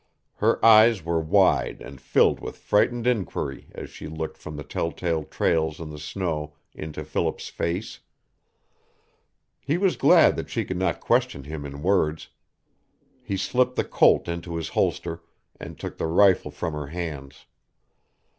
Her eyes were wide and filled with frightened inquiry as she looked from the tell tale trails in the snow into Philip's face. He was glad that she could not question him in words. He slipped the Colt into its holster and took the rifle from her hands.